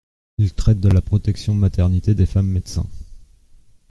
Il traite de la protection maternité des femmes médecins.